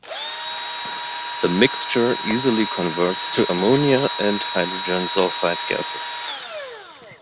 The mixture easily converts to ammonia and hydrogen sulfide gases.